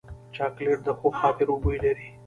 چاکلېټ د ښو خاطرو بوی لري.